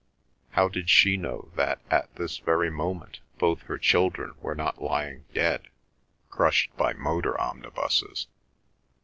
How did she know that at this very moment both her children were not lying dead, crushed by motor omnibuses?